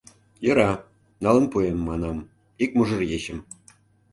Йӧра, налын пуэм, манам, ик мужыр ечым.